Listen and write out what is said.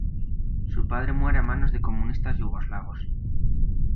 Su padre muere a manos de comunistas yugoslavos.